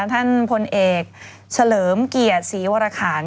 ท่านพลเอกเฉลิมเกียรติศรีวรคาร